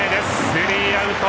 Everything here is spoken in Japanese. スリーアウト。